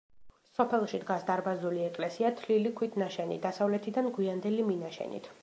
სოფელში დგას დარბაზული ეკლესია თლილი ქვით ნაშენი, დასავლეთიდან გვიანდელი მინაშენით.